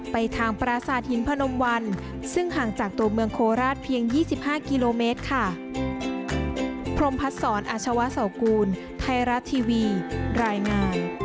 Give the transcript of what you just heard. ไปทางปราสาทหินพนมวันซึ่งห่างจากตัวเมืองโคราชเพียง๒๕กิโลเมตรค่ะ